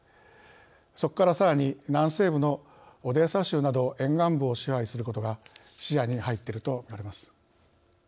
そこからさらに南西部のオデーサ州など沿岸部を支配することが視野に入っていると見られます。